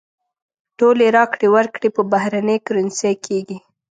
ټولې راکړې ورکړې په بهرنۍ کرنسۍ کېږي.